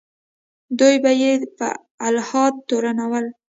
دوی به یې په الحاد تورنول.